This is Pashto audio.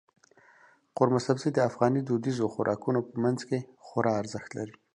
قورمه سبزي د افغاني دودیزو خوراکونو په منځ کې خورا ارزښت لري.